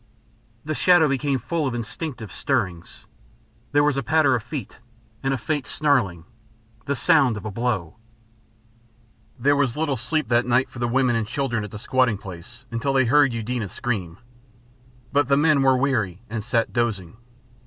The shadow became full of instinctive stirrings. There was a patter of feet, and a faint snarling the sound of a blow. There was little sleep that night for the women and children at the squatting place until they heard Eudena scream. But the men were weary and sat dozing.